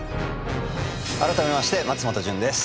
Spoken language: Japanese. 改めまして松本潤です。